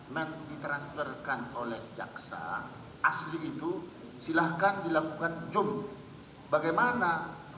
men transfer kan oleh jaksa asli itu silahkan dilakukan zoom bagaimana